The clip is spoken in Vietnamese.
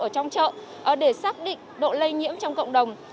ở trong chợ để xác định độ lây nhiễm trong cộng đồng